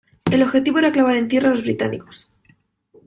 El objetivo era clavar en tierra a los británicos.